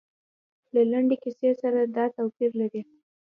له لنډې کیسې سره دا توپیر لري.